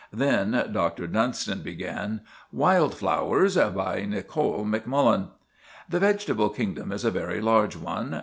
Then Dr. Dunstan began— "'WILD FLOWERS. "'By Nicol Macmullen. "'The vegetable kingdom is a very large one.